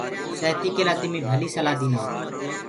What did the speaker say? سهتي ڪي لآ تمي ڀلي سلآه دينآ هو۔